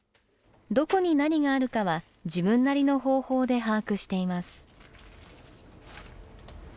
どこに何があるかは自分なりの方法で把握しています。